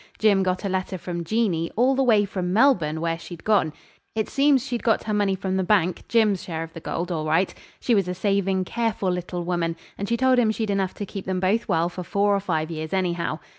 Jim got a letter from Jeanie, all the way from Melbourne, where she'd gone. It seems she'd got her money from the bank Jim's share of the gold all right. She was a saving, careful little woman, and she told him she'd enough to keep them both well for four or five years, anyhow.